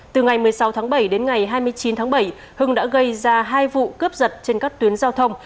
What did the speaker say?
từ ngày một mươi sáu tháng bảy đến ngày hai mươi chín tháng bảy hưng đã gây ra hai vụ cướp giật trên các tuyến giao thông